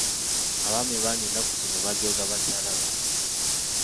Abaami bangi ennaku zino bajooga bakyala baabwe.